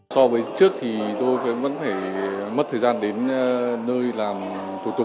so với trước thì tôi vẫn phải mất thời gian đến nơi làm thủ tục